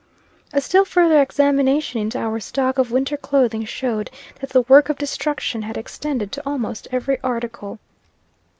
A still further examination into our stock of winter clothing, showed that the work of destruction had extended to almost every article.